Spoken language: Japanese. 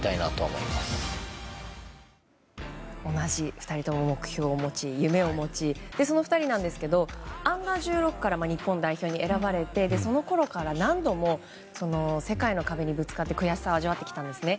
２人とも同じ目標を持ち夢を持ちその２人なんですけどアンダー１６から日本代表に選ばれてそのころから何度も世界の壁にぶつかって悔しさを味わってきたんですね。